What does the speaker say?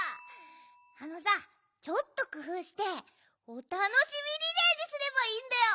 あのさちょっとくふうしておたのしみリレーにすればいいんだよ！